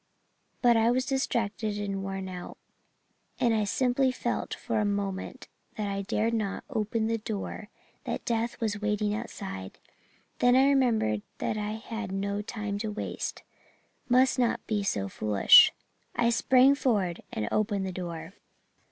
But I was distracted and worn out, and I simply felt for a moment that I dared not open the door that death was waiting outside. Then I remembered that I had no time to waste must not be so foolish I sprang forward and opened the door.